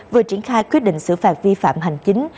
vừa triển khai quyết định xử phạt vi phạm hành chính